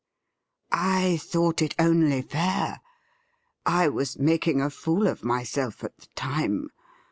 ' I thought it only fair. I was making a fool of myself at the time.